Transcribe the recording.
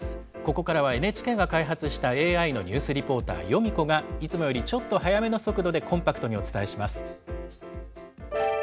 ここからはＮＨＫが開発したＡＩのニュースリポーターヨミ子が、いつもよりちょっと速めの速度でコンパクトにお伝えします。